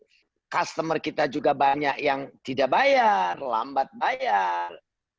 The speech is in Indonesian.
jadi customer kita juga banyak yang tidak bayar lambat bayar